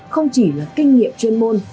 không chỉ là kinh nghiệm chuyên môn